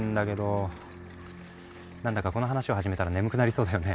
何だかこの話を始めたら眠くなりそうだよね？